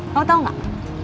kamu tau gak